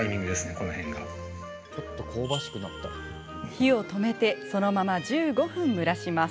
火を止めてそのまま１５分蒸らします。